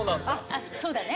あっそうだね。